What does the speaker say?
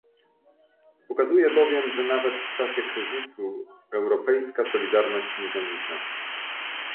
Pokazuje bowiem, że nawet w czasie kryzysu europejska solidarność nie zanika